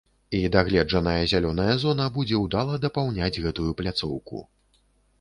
І дагледжаная зялёная зона будзе ўдала дапаўняць гэтую пляцоўку.